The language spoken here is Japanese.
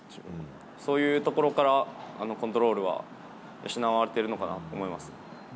そういうところからコントロールは養われているのかなと思います。